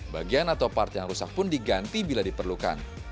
bagian atau part yang rusak pun diganti bila diperlukan